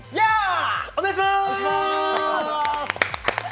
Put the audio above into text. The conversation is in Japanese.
お願いしまーす！！